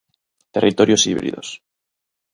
Territorios híbridos.